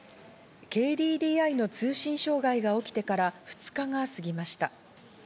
ＫＤＤＩの通信障害が起きてから２日が過ぎました。